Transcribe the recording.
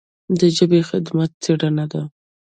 د ژبې خدمت څېړنه ده.